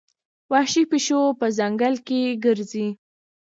وحشي پیشو په ځنګل کې ګرځي.